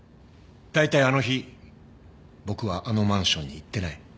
大体あの日僕はあのマンションに行ってない。